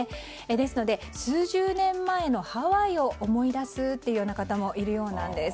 ですので数十年前のハワイを思い出すという方もいるようなんです。